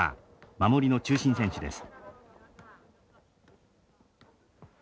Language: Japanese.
守りの中心選手です。